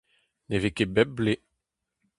Ne vez ket bep bloaz.